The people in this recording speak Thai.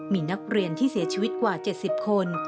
มีนักเรียนที่เสียชีวิตกว่า๗๐คน